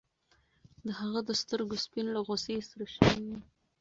د هغه د سترګو سپین له غوسې سره شوي وو.